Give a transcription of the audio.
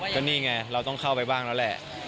ก็นี่ไงเราต้องเข้าไปบ้างแล้วแหละ